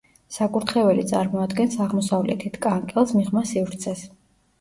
საკურთხეველი წარმოადგენს აღმოსავლეთით, კანკელს მიღმა სივრცეს.